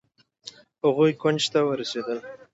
هغوئ کونج ته ورسېدل.